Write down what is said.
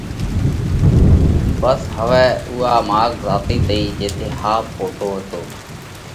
ڀس هوَئہ اُوئا ماڳ زاتئِي تئِي جيٿئہ ۿاوَ پوٽو هتو